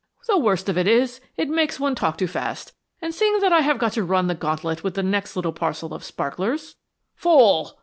The worst of it is, it makes one talk too fast, and seeing that I have got to run the gauntlet with the next little parcel of sparklers " "Fool!"